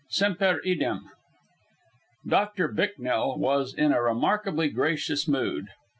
SEMPER IDEM Doctor Bicknell was in a remarkably gracious mood.